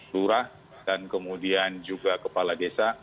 lurah dan kemudian juga kepala desa